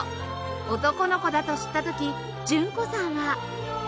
男の子だと知った時純子さんは